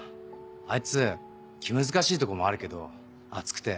あいつ気難しいとこもあるけど熱くて。